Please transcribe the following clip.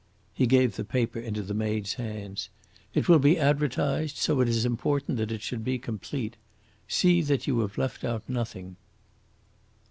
He gave the paper into the maid's hands. "It will be advertised, so it is important that it should be complete. See that you have left out nothing."